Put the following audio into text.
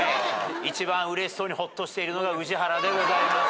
一番うれしそうにほっとしているのが宇治原でございます。